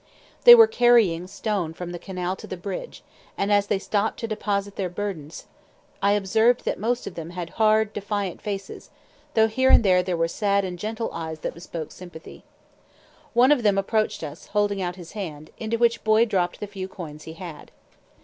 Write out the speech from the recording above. They were carrying stone from the canal to the bridge, and as they stopped to deposit their burdens, I observed that most of them had hard, defiant faces, though here and there were sad and gentle eyes that bespoke sympathy. One of them approached us, holding out his hand, into which Boy dropped the few coins he had.